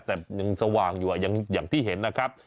แต่ยังสว่างอยู่อย่างที่เห็นนะครับ